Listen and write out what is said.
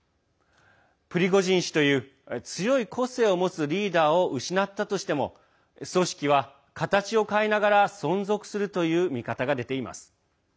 プリゴジン氏という強い個性を持つリーダーを失ったとしても組織は形を変えながら存続するという見方が出ています。